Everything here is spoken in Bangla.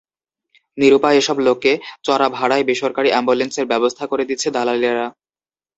নিরুপায় এসব লোককে চড়া ভাড়ায় বেসরকারি অ্যাম্বুলেন্সের ব্যবস্থা করে দিচ্ছে দালালেরা।